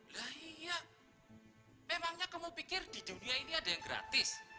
lah iya memangnya kamu pikir di dunia ini ada yang gratis